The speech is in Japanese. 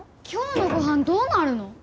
今日のご飯どうなるの？